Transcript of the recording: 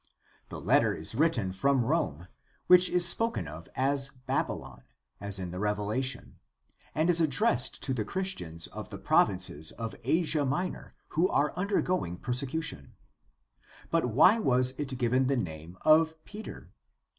The letter is written from Rome, which is spoken of as Babylon, as in the Revela tion, and is addressed to the Christians of the provinces of Asia Minor who are undergoing persecution. But why was it given the name of Peter